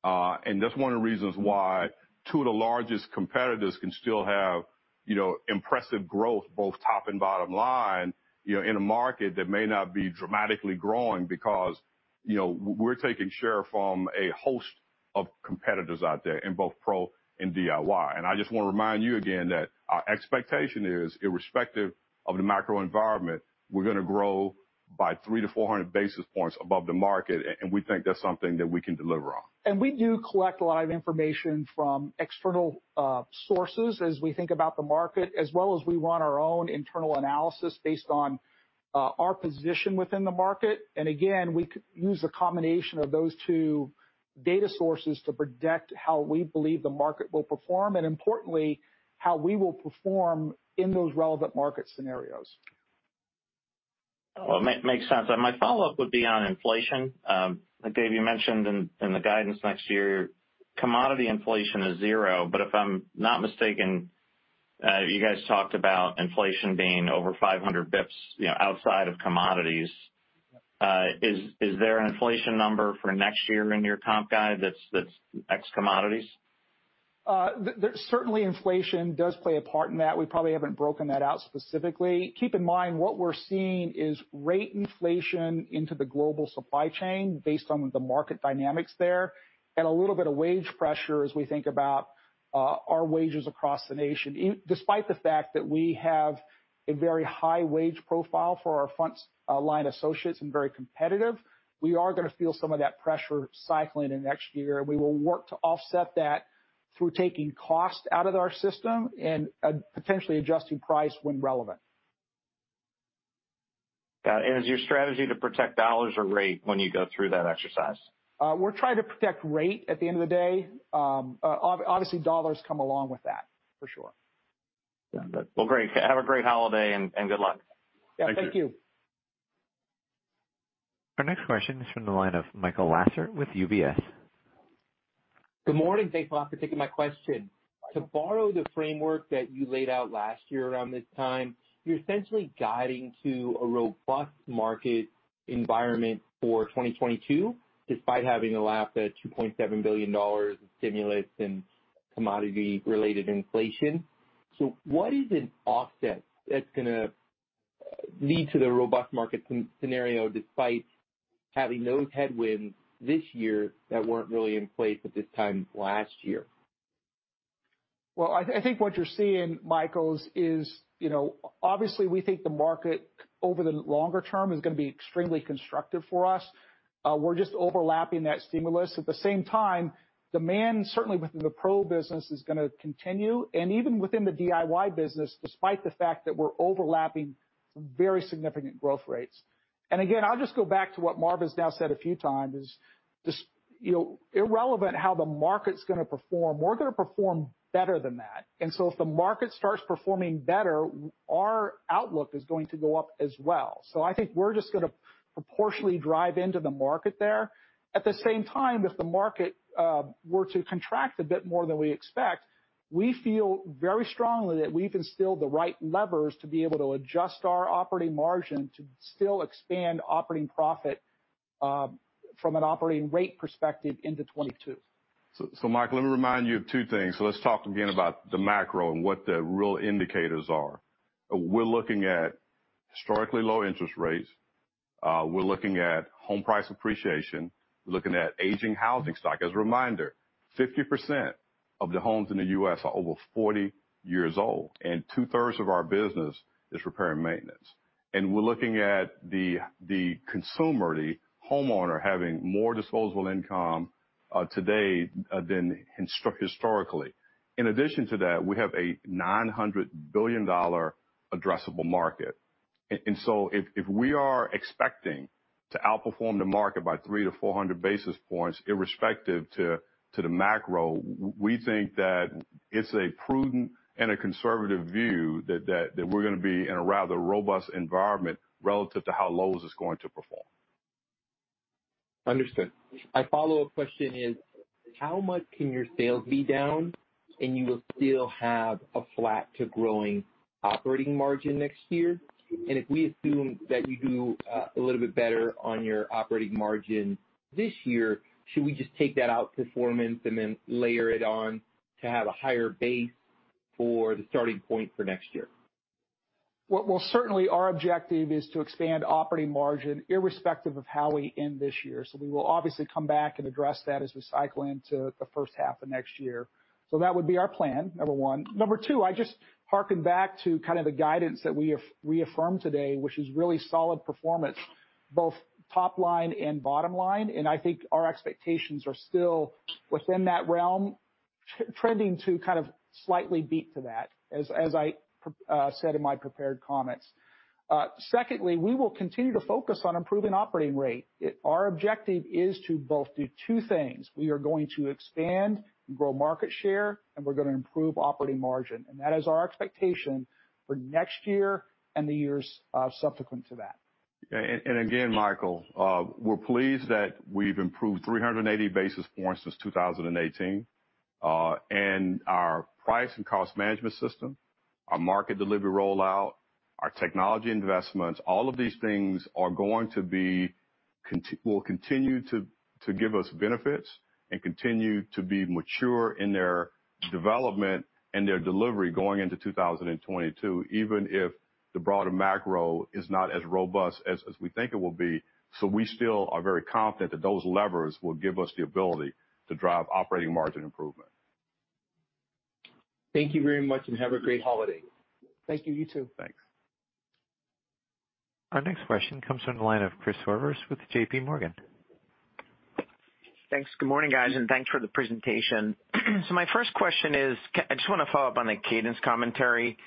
That's one of the reasons why two of the largest competitors can still have, you know, impressive growth, both top and bottom line, you know, in a market that may not be dramatically growing because, you know, we're taking share from a host of competitors out there in both pro and DIY. I just wanna remind you again that our expectation is irrespective of the macro environment, we're gonna grow by 300-400 basis points above the market, and we think that's something that we can deliver on. We do collect a lot of information from external sources as we think about the market, as well as we run our own internal analysis based on our position within the market. Again, we use a combination of those two data sources to predict how we believe the market will perform, and importantly, how we will perform in those relevant market scenarios. Well, makes sense. My follow-up would be on inflation. Dave, you mentioned in the guidance next year, commodity inflation is 0, but if I'm not mistaken, you guys talked about inflation being over 500 basis points, you know, outside of commodities. Is there an inflation number for next year in your comp guide that's ex commodities? There's certainly inflation does play a part in that. We probably haven't broken that out specifically. Keep in mind, what we're seeing is rate inflation into the global supply chain based on the market dynamics there and a little bit of wage pressure as we think about our wages across the nation. Despite the fact that we have a very high wage profile for our front line associates and very competitive, we are gonna feel some of that pressure cycling in next year, and we will work to offset that through taking cost out of our system and potentially adjusting price when relevant. Got it. Is your strategy to protect dollars or rate when you go through that exercise? We're trying to protect rate at the end of the day. Obviously dollars come along with that, for sure. Well, great. Have a great holiday and good luck. Yeah, thank you. Our next question is from the line of Michael Lasser with UBS. Good morning. Thanks a lot for taking my question. To borrow the framework that you laid out last year around this time, you're essentially guiding to a robust market environment for 2022 despite having a lap at $2.7 billion in stimulus and commodity-related inflation. What is an offset that's gonna lead to the robust market scenario despite having those headwinds this year that weren't really in place at this time last year? Well, I think what you're seeing, Michael, is, you know, obviously we think the market over the longer term is gonna be extremely constructive for us. We're just overlapping that stimulus. At the same time, demand, certainly within the pro business, is gonna continue, and even within the DIY business, despite the fact that we're overlapping some very significant growth rates. I'll just go back to what Marv has now said a few times is just, you know, irrelevant how the market's gonna perform, we're gonna perform better than that. If the market starts performing better, our outlook is going to go up as well. I think we're just gonna proportionally drive into the market there. At the same time, if the market were to contract a bit more than we expect, we feel very strongly that we've instilled the right levers to be able to adjust our operating margin to still expand operating profit from an operating rate perspective into 2022. Michael, let me remind you of two things. Let's talk again about the macro and what the real indicators are. We're looking at historically low interest rates. We're looking at home price appreciation. We're looking at aging housing stock. As a reminder, 50% of the homes in the U.S. are over 40 years old, and two-thirds of our business is repair and maintenance. We're looking at the consumer, the homeowner, having more disposable income today than historically. In addition to that, we have a $900 billion addressable market. If we are expecting to outperform the market by 300-400 basis points, irrespective to the macro, we think that it's a prudent and a conservative view that we're gonna be in a rather robust environment relative to how Lowe's is going to perform. Understood. My follow-up question is, how much can your sales be down and you will still have a flat to growing operating margin next year? If we assume that you do a little bit better on your operating margin this year, should we just take that outperformance and then layer it on to have a higher base for the starting point for next year? Well, well, certainly our objective is to expand operating margin irrespective of how we end this year. We will obviously come back and address that as we cycle into the first half of next year. That would be our plan, number one. Number two, I just harken back to kind of the guidance that we have reaffirmed today, which is really solid performance, both top line and bottom line. I think our expectations are still within that realm, trending to kind of slightly beat that, as I said in my prepared comments. Secondly, we will continue to focus on improving operating margin. Our objective is to both do two things. We are going to expand and grow market share, and we're gonna improve operating margin. That is our expectation for next year and the years subsequent to that. Again, Michael, we're pleased that we've improved 380 basis points since 2018. Our price and cost management system, our market delivery rollout, our technology investments, all of these things will continue to give us benefits and continue to be mature in their development and their delivery going into 2022, even if the broader macro is not as robust as we think it will be. We still are very confident that those levers will give us the ability to drive operating margin improvement. Thank you very much, and have a great holiday. Thank you. You too. Thanks. Our next question comes from the line of Christopher Horvers with JP Morgan. Thanks. Good morning, guys, and thanks for the presentation. My first question is, I just wanna follow up on the cadence commentary.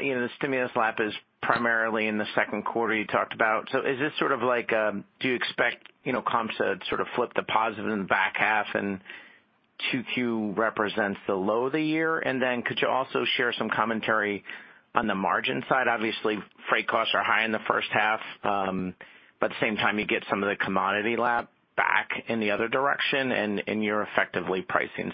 You know, the stimulus lap is primarily in the second quarter you talked about. Is this sort of like, do you expect, you know, comps to sort of flip to positive in the back half and 2Q represents the low of the year? Could you also share some commentary on the margin side? Obviously, freight costs are high in the first half, but at the same time, you get some of the commodity lap back in the other direction and you're effectively pricing.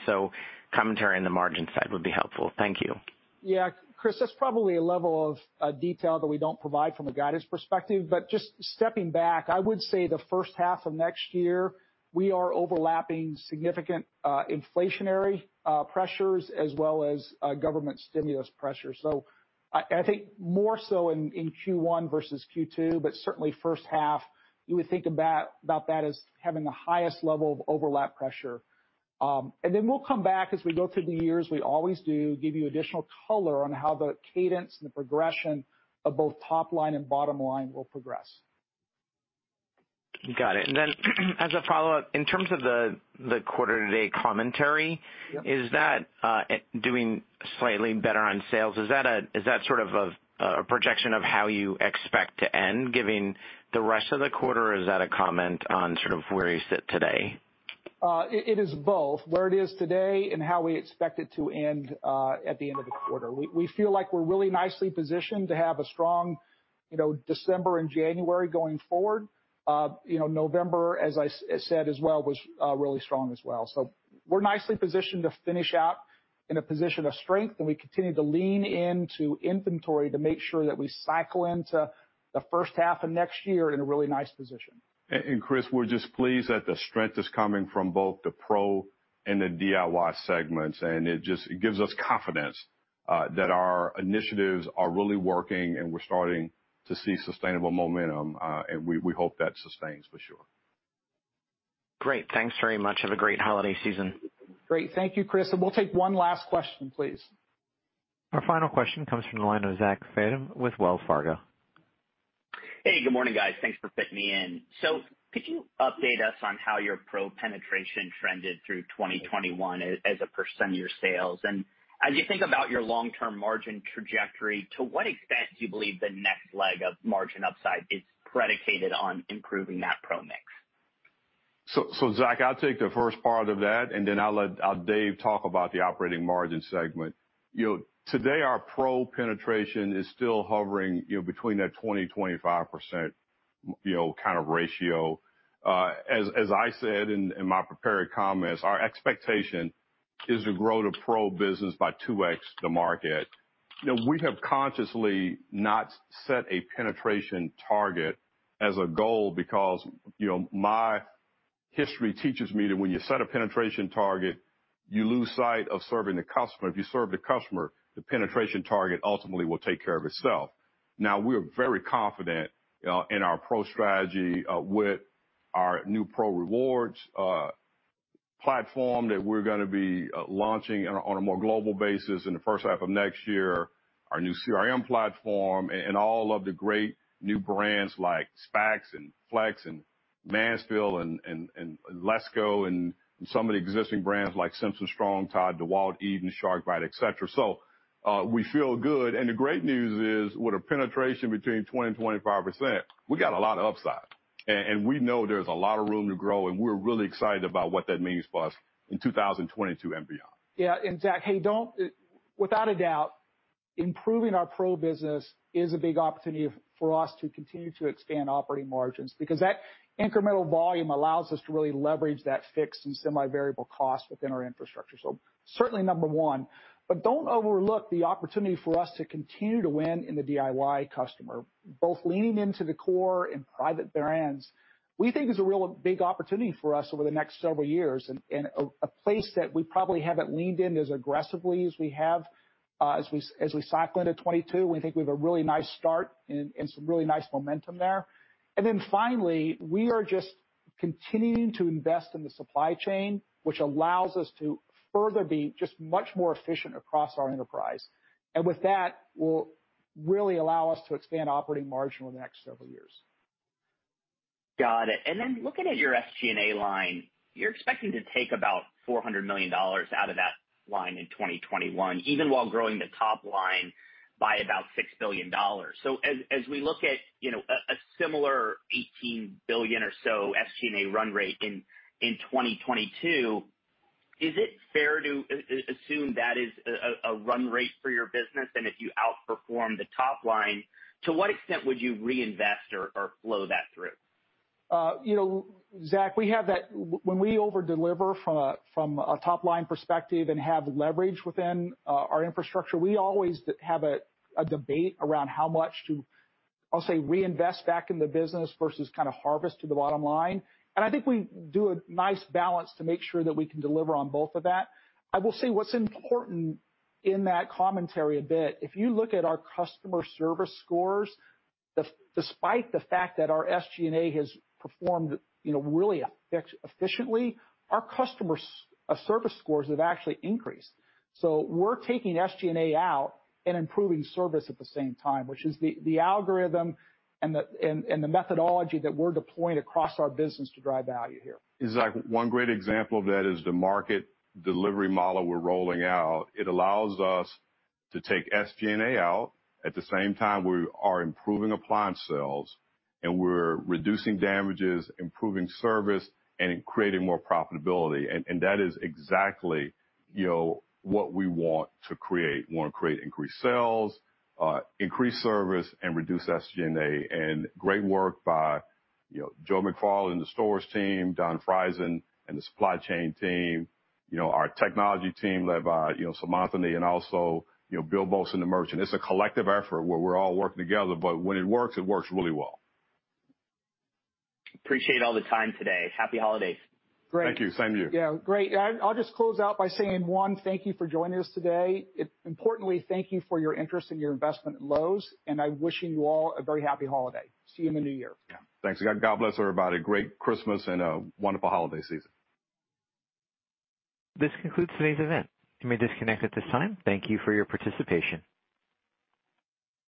Commentary on the margin side would be helpful. Thank you. Yeah. Chris, that's probably a level of detail that we don't provide from a guidance perspective. Just stepping back, I would say the first half of next year, we are overlapping significant inflationary pressures as well as government stimulus pressure. I think more so in Q1 versus Q2, but certainly first half, you would think about that as having the highest level of overlap pressure. Then we'll come back as we go through the years, we always do, give you additional color on how the cadence and the progression of both top line and bottom line will progress. Got it. As a follow-up, in terms of the quarter-to-date commentary. Yeah. Is that doing slightly better on sales? Is that sort of a projection of how you expect to end, given the rest of the quarter, or is that a comment on sort of where you sit today? It is both. Where it is today and how we expect it to end at the end of the quarter. We feel like we're really nicely positioned to have a strong, you know, December and January going forward. You know, November, as I said as well, was really strong as well. We're nicely positioned to finish out in a position of strength, and we continue to lean into inventory to make sure that we cycle into the first half of next year in a really nice position. Chris, we're just pleased that the strength is coming from both the pro and the DIY segments, and it just gives us confidence that our initiatives are really working and we're starting to see sustainable momentum. We hope that sustains for sure. Great. Thanks very much. Have a great holiday season. Great. Thank you, Chris, and we'll take one last question, please. Our final question comes from the line of Zachary Fadem with Wells Fargo. Hey, good morning, guys. Thanks for fitting me in. Could you update us on how your pro penetration trended through 2021 as a percentage of your sales? As you think about your long-term margin trajectory, to what extent do you believe the next leg of margin upside is predicated on improving that pro mix? Zach, I'll take the first part of that, and then I'll let Dave talk about the operating margin segment. You know, today our pro penetration is still hovering, you know, between that 20%-25%, you know, kind of ratio. As I said in my prepared comments, our expectation is to grow the pro business by 2x the market. Now, we have consciously not set a penetration target as a goal because, you know, my history teaches me that when you set a penetration target, you lose sight of serving the customer. If you serve the customer, the penetration target ultimately will take care of itself. Now, we're very confident in our pro strategy with our new pro rewards platform that we're gonna be launching on a more global basis in the first half of next year, our new CRM platform and all of the great new brands like SPAX and FLEX and Mansfield and LESCO and some of the existing brands like Simpson Strong-Tie, DEWALT, Eaton, SharkBite, et cetera. We feel good. The great news is with a penetration between 20%-25%, we got a lot of upside. We know there's a lot of room to grow, and we're really excited about what that means for us in 2022 and beyond. Yeah. Zach, hey, without a doubt, improving our pro business is a big opportunity for us to continue to expand operating margins because that incremental volume allows us to really leverage that fixed and semi-variable cost within our infrastructure. Certainly number one. Don't overlook the opportunity for us to continue to win in the DIY customer, both leaning into the core and private brands. We think there's a real big opportunity for us over the next several years and a place that we probably haven't leaned in as aggressively as we have as we cycle into 2022. We think we have a really nice start and some really nice momentum there. Then finally, we are just continuing to invest in the supply chain, which allows us to further be just much more efficient across our enterprise. With that, will really allow us to expand operating margin over the next several years. Got it. Looking at your SG&A line, you're expecting to take about $400 million out of that line in 2021, even while growing the top line by about $6 billion. As we look at, you know, a similar $18 billion or so SG&A run rate in 2022, is it fair to assume that is a run rate for your business? If you outperform the top line, to what extent would you reinvest or flow that through? You know, Zach, we have that when we overdeliver from a top line perspective and have leverage within our infrastructure, we always have a debate around how much to, I'll say, reinvest back in the business versus kind of harvest to the bottom line. I think we do a nice balance to make sure that we can deliver on both of that. I will say what's important in that commentary a bit, if you look at our customer service scores, despite the fact that our SG&A has performed, you know, really efficiently, our customer service scores have actually increased. We're taking SG&A out and improving service at the same time, which is the algorithm and the methodology that we're deploying across our business to drive value here. Zach, one great example of that is the market delivery model we're rolling out. It allows us to take SG&A out. At the same time, we are improving appliance sales and we're reducing damages, improving service, and creating more profitability. That is exactly, you know, what we want to create. We wanna create increased sales, increase service, and reduce SG&A. Great work by, you know, Joe McFarland and the stores team, Don Friesen and the supply chain team, you know, our technology team led by, you know, Seemantini and also, you know, Bill Boltz in merchant. It's a collective effort where we're all working together, but when it works, it works really well. Appreciate all the time today. Happy holidays. Great. Thank you. Same to you. Yeah, great. I'll just close out by saying, one, thank you for joining us today. Importantly, thank you for your interest and your investment at Lowe's, and I'm wishing you all a very happy holiday. See you in the new year. Yeah. Thanks. God bless everybody. Great Christmas and a wonderful holiday season. This concludes today's event. You may disconnect at this time. Thank you for your participation.